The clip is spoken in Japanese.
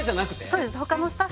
そうです。